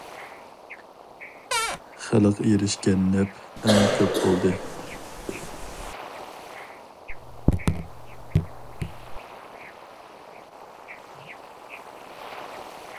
خەلق ئېرىشكەن نەپ ئەڭ كۆپ بولدى.